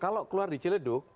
kalau keluar di ciledug